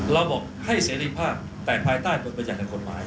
เราบอกให้เสรีภาพแต่ภายใต้บทบรรยัติทางกฎหมาย